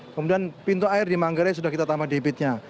kemudian pintu air di manggarai sudah kita tambah debitnya